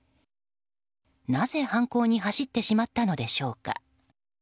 なぜ犯行に走ってしまったのでしょうか。